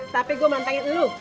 tapi gua mau nantangin lu